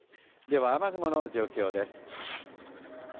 では雨雲の状況です。